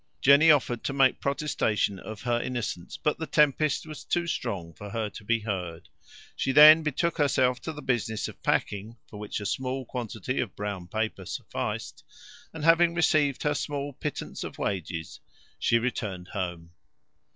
Jenny offered to make protestations of her innocence; but the tempest was too strong for her to be heard. She then betook herself to the business of packing, for which a small quantity of brown paper sufficed, and, having received her small pittance of wages, she returned home.